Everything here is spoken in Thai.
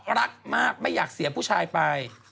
รักมากไม่อยากเสียผู้ชายไป